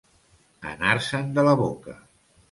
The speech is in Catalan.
Anar-se'n de la boca.